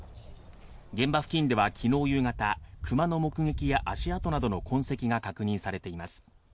現場付近ではきのう夕方、クマの目撃や足跡などの痕跡が確認されています。